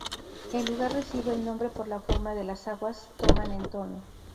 El lugar recibe el nombre por la forma de las aguas toman en torno.